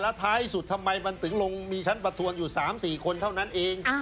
ท้ายสุดทำไมมันถึงลงมีชั้นประทวนอยู่๓๔คนเท่านั้นเอง